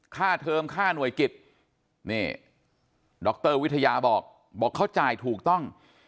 เทิมค่าหน่วยกิจนี่ดรวิทยาบอกบอกเขาจ่ายถูกต้อง